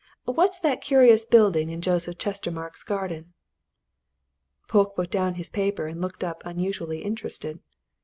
What's that curious building in Joseph Chestermarke's garden?" Polke put down his paper and looked unusually interested.